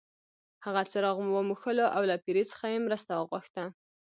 هغه څراغ وموښلو او له پیري څخه یې مرسته وغوښته.